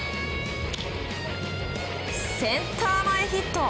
センター前ヒット。